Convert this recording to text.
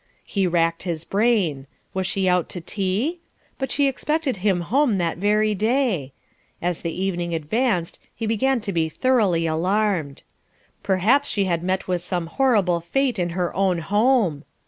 He racked his brain; was she out to tea? but she expected him home that very day. As the evening advanced he began to be thoroughly alarmed. Perhaps she had met with some horrible fate in her own home.